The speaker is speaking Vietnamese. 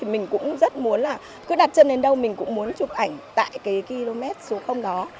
mình cũng rất muốn là cứ đặt chân đến đâu mình cũng muốn chụp ảnh tại cái km số đó